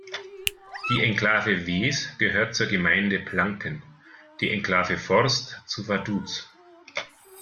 Die Enklave Wes gehört zur Gemeinde Planken, die Enklave Forst zu Vaduz.